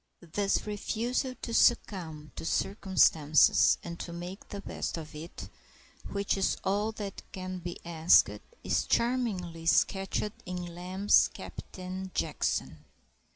This refusal to succumb to circumstances and to make the best of it, which is all that can be asked, is charmingly sketched in Lamb's Captain Jackson.